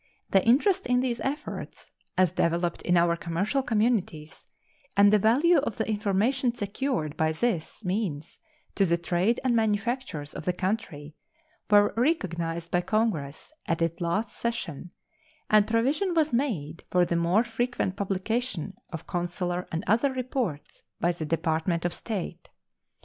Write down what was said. The interest in these efforts, as developed in our commercial communities, and the value of the information secured by this means to the trade and manufactures of the country were recognized by Congress at its last session, and provision was made for the more frequent publication of consular and other reports by the Department of State.